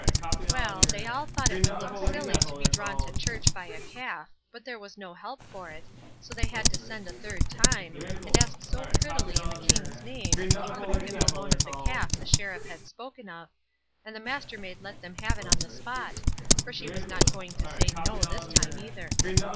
Well they all thought it would look silly to be drawn to church by a calf, but there was no help for it, so they had to send a third time, and ask so prettily in the King's name, if he couldn't get the loan of the calf the Sheriff had spoken of, and the Mastermaid let them have it on the spot, for she was not going to say "no" this time either.